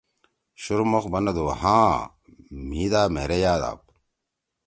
شُورمُخ بنَدُو: ”ہآں مھی دا مھیرے یاد آپ.